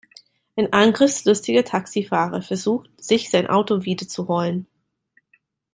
Ein angriffslustiger Taxifahrer versucht, sich sein Auto wiederzuholen.